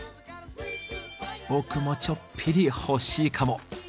僕もちょっぴりほしいかも。